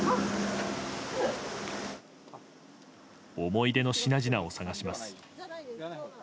思い出の品々を探します。